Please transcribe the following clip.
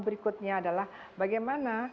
berikutnya adalah bagaimana